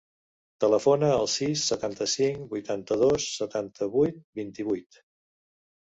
Telefona al sis, setanta-cinc, vuitanta-dos, setanta-vuit, vint-i-vuit.